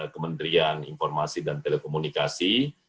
kementerian informasi dan telekomunikasi